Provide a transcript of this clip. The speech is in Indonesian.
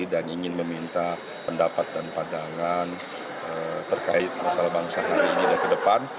dan ingin meminta pendapat dan pandangan terkait masalah bangsa hari ini dan ke depan